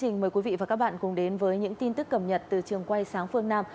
xin mời quý vị và các bạn cùng đến với những tin tức cập nhật từ trường quay sáng phương nam